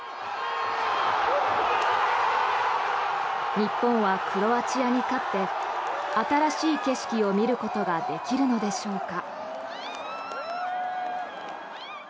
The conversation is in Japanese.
日本はクロアチアに勝って新しい景色を見ることができるのでしょうか。